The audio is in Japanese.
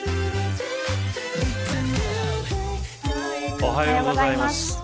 おはようございます。